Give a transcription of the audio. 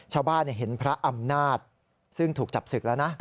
ชาวบ้านเห็นพระอำนาจซึ่งถูกจับศึกแล้วนะ